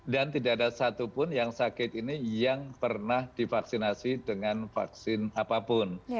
dan tidak ada satu pun yang sakit ini yang pernah divaksinasi dengan vaksin apapun